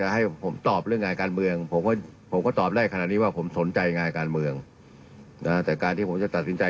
หรือนักการเมืองหรือภาคการเมืองต่าง